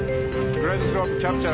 グライドスロープキャプチャー。